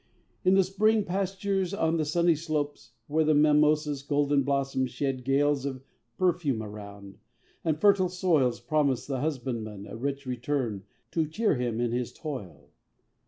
In the green pastures on the sunny slopes, Where the mimosa's golden blossoms shed Gales of perfume around; and fertile soils Promise the husbandman a rich return To cheer him in his toil.